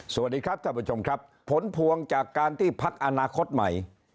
สวัสดีครับท่านผู้ชมครับผลพวงจากการที่พักอนาคตใหม่